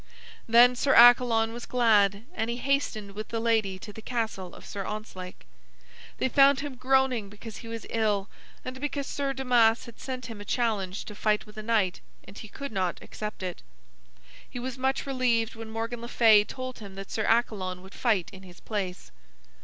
Then Sir Accalon was glad, and he hastened with the lady to the castle of Sir Ontzlake. They found him groaning because he was ill and because Sir Damas had sent him a challenge to fight with a knight, and he could not accept it. He was much relieved when Morgan le Fay told him that Sir Accalon would fight in his place.